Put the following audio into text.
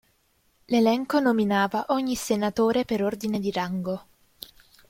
L'elenco nominava ogni senatore per ordine di rango.